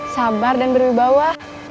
sabar dan berwibawa